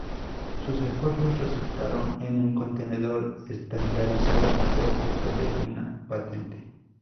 Sus esfuerzos resultaron en un contenedor estandarizado fue objeto de una patente.